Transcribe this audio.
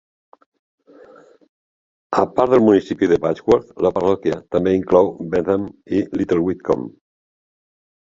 A part del municipi de Badgeworth, la parròquia també inclou Bentham i Little Witcombe.